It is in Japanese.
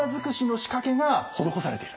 仕掛けが施されている。